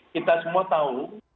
kita semua tahu